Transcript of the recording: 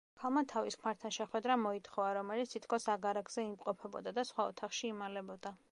ქალმა თავის ქმართან შეხვედრა მოითხოვა, რომელიც თითქოს აგარაკზე იმყოფებოდა და სხვა ოთახში იმალებოდა.